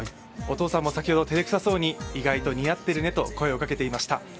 お父さんも先ほど、照れくさそうに意外と似合ってるねと声をかけていました。